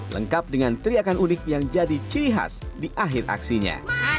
lengkap dengan teriakan unik yang jadi ciri khas di akhir aksinya